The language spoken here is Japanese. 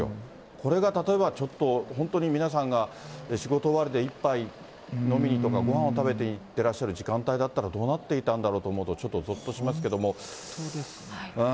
これが例えば、ちょっと本当に皆さんが仕事終わりで１杯飲みにとか、ごはんを食べにいってらっしゃる時間帯だったらどうなってたんだろうと思うと、ちょっとぞっとしますけれども。